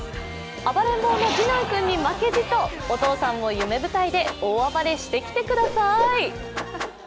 暴れん坊の次男君に負けじとお父さんも夢舞台で大暴れしてきてください。